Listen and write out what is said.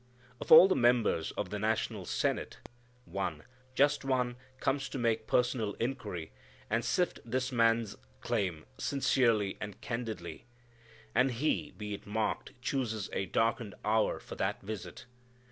Of all the members of the national Senate, one, just one, comes to make personal inquiry, and sift this man's claim sincerely and candidly. And he, be it marked, chooses a darkened hour for that visit.